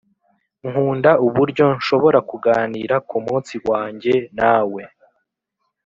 nkunda uburyo nshobora kuganira kumunsi wanjye nawe